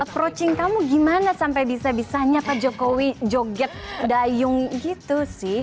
approaching kamu gimana sampai bisa bisanya pak jokowi joget dayung gitu sih